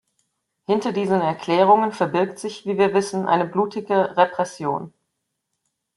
Hinter diesen Erklärungen verbirgt sich, wie wir wissen, eine blutige Repression.